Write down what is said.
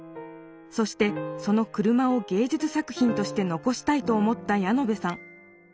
そしてその車をげいじゅつ作品としてのこしたいと思ったヤノベさん。